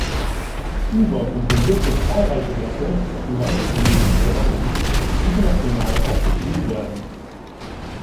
Huber komponierte zahlreiche Werke zumeist für die Musikpädagogik, die international oft gespielt werden.